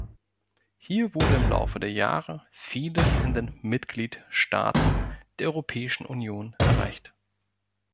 Hier wurde im Laufe der Jahre vieles in den Mitgliedstaaten der Europäischen Union erreicht.